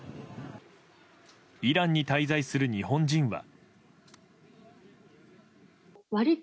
イランに滞在する日本人は。